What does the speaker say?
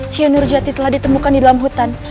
cianur jati telah ditemukan di dalam hutan